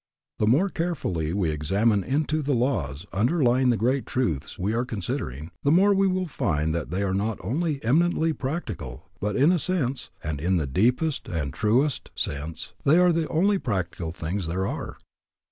The more carefully we examine into the laws underlying the great truths we are considering, the more we will find that they are not only eminently practical, but in a sense, and in the deepest and truest sense, they are the only practical things there are.